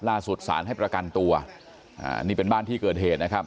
สารให้ประกันตัวอ่านี่เป็นบ้านที่เกิดเหตุนะครับ